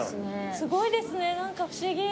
すごいですね何か不思議。